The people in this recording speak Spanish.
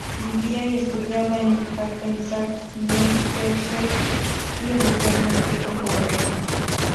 Vivía y estudiaba en Hackensack, New Jersey y eventualmente en Nueva York.